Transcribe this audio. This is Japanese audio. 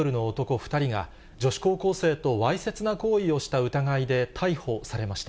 ２人が、女子高校生とわいせつな行為をした疑いで逮捕されました。